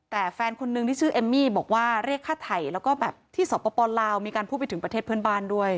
แต่แฟนคนนึงที่ชื่อเอมมี่บอกว่าเรียกค่าไถ่แล้วก็แบบที่สปลาวมีการพูดไปถึงประเทศเพื่อนบ้านด้วย